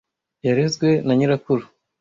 Yarezwe na nyirakuru.